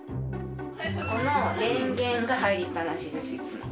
この電源が入りっぱなしです、いつも。